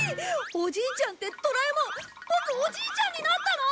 おじいちゃんってドラえもんボクおじいちゃんになったの！？